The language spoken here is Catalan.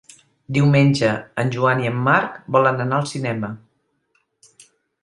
Diumenge en Joan i en Marc volen anar al cinema.